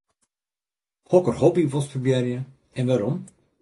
Hokker hobby wolst probearje en wêrom?